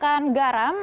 atau juga pengguna garam